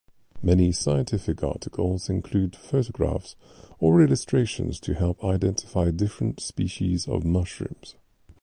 Many scientific articles include photographs or illustrations to help identify different species of mushrooms.